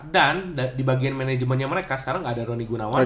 dan di bagian manajemennya mereka sekarang gak ada ronny gunawan